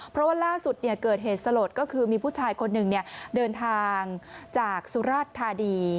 เพราะว่าล่าสุดเกิดเหตุสลดก็คือมีผู้ชายคนหนึ่งเดินทางจากสุราชธานี